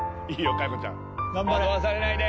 佳代子ちゃん惑わされないで